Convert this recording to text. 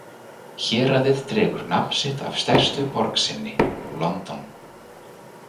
Héraðið dregur nafn sitt af stærstu borg sinni, London.